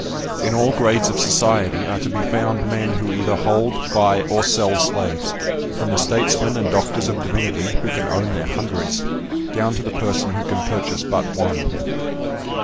In all grades of society are to be found men who either hold, buy, or sell slaves, from the statesmen and doctors of divinity, who can own their hundreds, down to the person who can purchase but one.